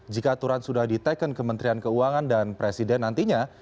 jika aturan sudah diteken kementerian keuangan dan presiden nantinya